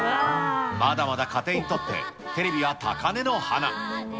まだまだ家庭にとって、テレビは高根の花。